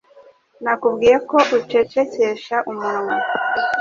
Nakubwiye ko ucecekesha umunwa.